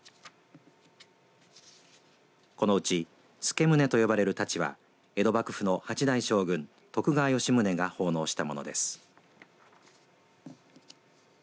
このうち、助宗と呼ばれる太刀は江戸幕府の８代将軍徳川吉宗が奉納したものです。